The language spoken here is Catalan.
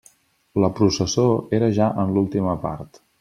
La processó era ja en l'última part.